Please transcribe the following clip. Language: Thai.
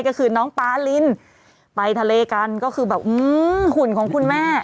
ก็คือน้องปาลินไปทะเลกันก็คือแบบหุ่นของคุณแม่